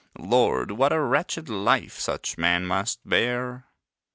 Lord, what a wretched life Such men must bear.